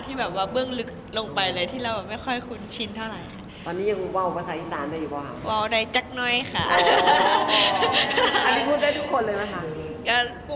แบบว่าเบื้องลึกลงไปเลยที่เราไม่ค่อยคุ้นชินเท่าไหร่ค่ะ